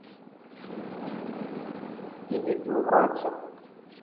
E di do all tin.